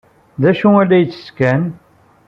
D acu ay la yettett Ken?